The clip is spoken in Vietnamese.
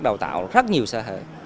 đào tạo rất nhiều xã hội